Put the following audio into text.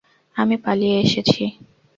আমি পালিয়ে এসেছি।